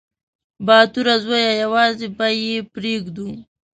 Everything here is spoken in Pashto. _باتوره زويه! يوازې به يې پرېږدو.